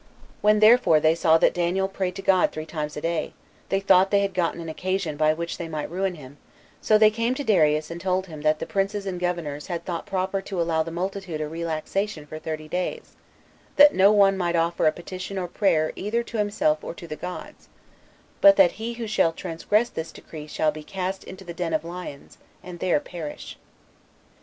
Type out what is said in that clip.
When therefore they saw that Daniel prayed to God three times a day, they thought they had gotten an occasion by which they might ruin him; so they came to Darius and told him that the princes and governors had thought proper to allow the multitude a relaxation for thirty days, that no one might offer a petition or prayer either to himself or to the gods, but that, "he who shall transgress this decree shall be east into the den of lions, and there perish."